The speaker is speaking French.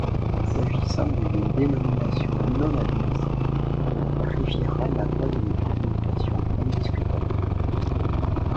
S'agissant d'une dénomination non administrative, la Riviera n'a pas une délimitation indiscutable.